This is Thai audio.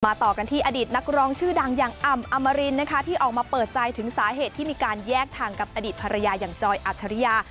ต่อกันที่อดีตนักร้องชื่อดังอย่างอ่ำอมรินนะคะที่ออกมาเปิดใจถึงสาเหตุที่มีการแยกทางกับอดีตภรรยาอย่างจอยอัจฉริยา